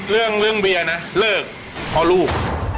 เรื่องเรื่องเบียร์นะเลิกเพราะลูก